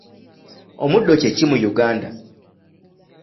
Omuddo kye ki mu Uganda?